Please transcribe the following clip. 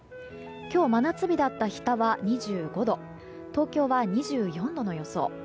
今日真夏日だった日田は２５度東京は２４度の予想。